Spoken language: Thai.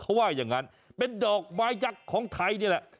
เขาว่าอย่างนั้นเป็นดอกไม้ยักษ์ของไทยนี่แหละ